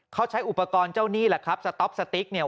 เขาใช้อุปกรณ์เจ้านี่แหละครับสต๊อปสติ๊กเนี่ย